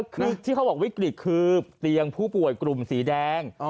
คือที่เขาบอกวิกฤตคือเตียงผู้ป่วยกลุ่มสีแดง